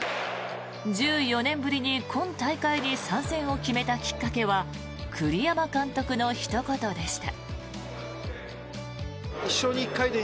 １４年ぶりに今大会に参戦を決めたきっかけは栗山監督のひと言でした。